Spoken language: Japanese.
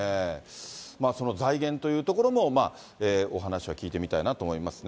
その財源というところも、お話を聞いてみたいなと思いますね。